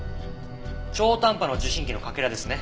超短波の受信機のかけらですね。